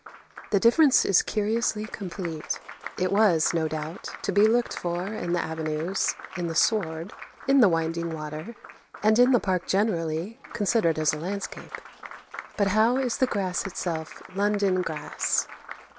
The difference is curiously complete; it was, no doubt, to be looked for in the avenues, in the sward, in the winding water, and in the Park generally, considered as a landscape. But how is the grass itself London grass?